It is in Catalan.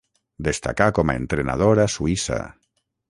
Destacà com a entrenador a Suïssa.